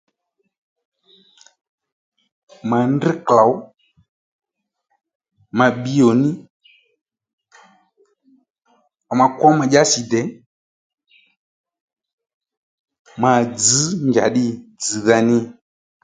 Ma ndrŕ klôw, ma bbǐ yò nì, ma kwó ma dyási dè, ma dzž njàddî dzz̀dha ní